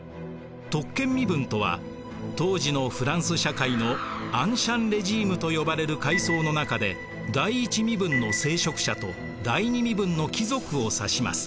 特権身分とは当時のフランス社会のアンシャン・レジームと呼ばれる階層の中で第一身分の聖職者と第二身分の貴族を指します。